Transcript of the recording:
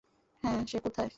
হ্যাঁ, সে কোথায়?